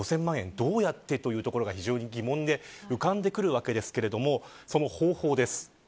どうやってというところが非常に疑問で浮かんでくるわけですがその方法です。